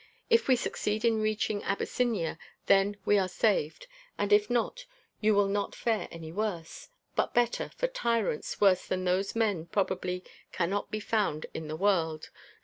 If we succeed in reaching Abyssinia, then we are saved, and if not, you will not fare any worse, but better, for tyrants worse than those men probably cannot be found in the world.